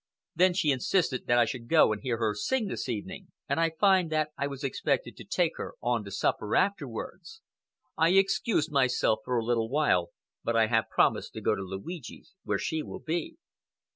Then she insisted that I should go and hear her sing this evening, and I find that I was expected to take her on to supper afterwards. I excused myself for a little while, but I have promised to go to Luigi's, where she will be."